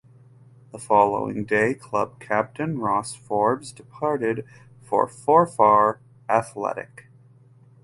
The following day club captain Ross Forbes departed for Forfar Athletic.